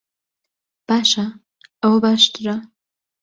باشە، ئەوە باشترە؟